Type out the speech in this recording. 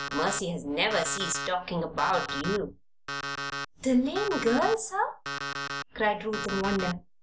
Mercy has never ceased talking about you." "The lame girl, sir?" cried Ruth, in wonder.